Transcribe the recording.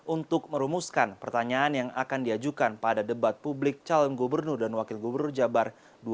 untuk merumuskan pertanyaan yang akan diajukan pada debat publik calon gubernur dan wakil gubernur jabar dua ribu dua puluh